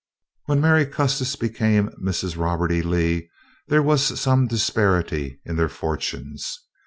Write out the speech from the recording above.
When Mary Custis became Mrs. Robert E. Lee there was some disparity in their fortunes.